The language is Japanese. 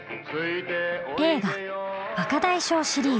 映画「若大将」シリーズ。